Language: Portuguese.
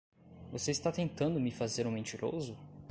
Você está tentando me fazer um mentiroso?